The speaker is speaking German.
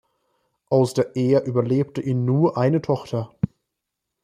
Aus der Ehe überlebte ihn nur eine Tochter.